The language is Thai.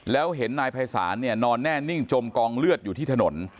แล้วเห็นนายภัยศาลเนี่ยนอนแน่นิ่งจมกองเลือดอยู่ที่ถนน